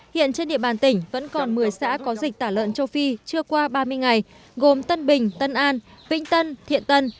hiện trên địa bàn tỉnh vẫn còn một mươi xã có dịch tả lợn châu phi chưa qua ba mươi ngày gồm tân bình tân an vĩnh tân thiện tân